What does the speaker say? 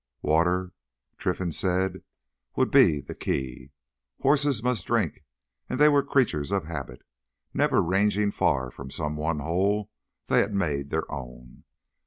Water, Trinfan said, would be the key. Horses must drink and they were creatures of habit, never ranging far from some one hole they had made their own.